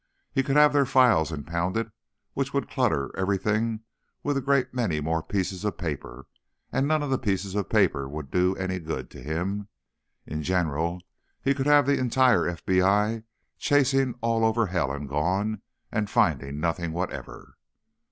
He could have their files impounded, which would clutter everything with a great many more pieces of paper, and none of the pieces of paper would do any good to him. In general, he could have the entire FBI chasing all over hell and gone—and finding nothing whatever.